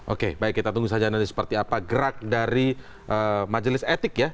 oke baik kita tunggu saja nanti seperti apa gerak dari majelis etik ya